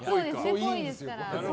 いいんですよ。